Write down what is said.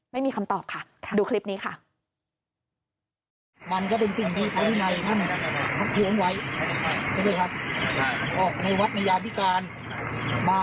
ไม่มีคำตอบค่ะดูคลิปนี้ค่ะ